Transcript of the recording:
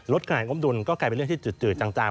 ลดขนาดงบดุลก็กลายเป็นเรื่องที่จืดจางไปแล้ว